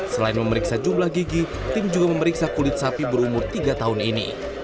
selain memeriksa jumlah gigi tim juga memeriksa kulit sapi berumur tiga tahun ini